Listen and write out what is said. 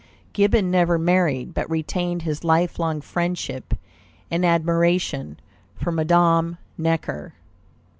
Gibbon never married, but retained his life long friendship and admiration for Madame Necker.